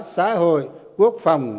xã hội quốc phòng